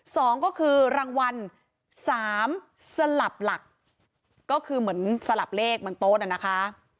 สองก็คือรางวัลสามสลับหลักก็คือเหมือนสลับเลขบนโต๊ะน่ะนะคะ